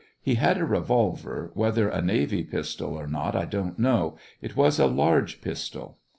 He had a revolver, whether a navy pistol or not I don't know ; it was a large pistol.